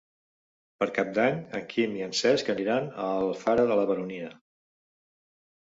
Per Cap d'Any en Quim i en Cesc aniran a Alfara de la Baronia.